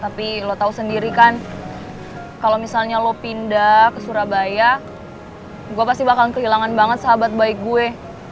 tapi lo tahu sendiri kan kalau misalnya lo pindah ke surabaya gue pasti bakal kehilangan banget sahabat baik gue